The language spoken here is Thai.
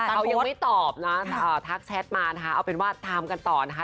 เรายังไม่ตอบนะทักแชทมานะคะเอาเป็นว่าตามกันต่อนะคะ